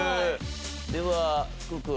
では福君。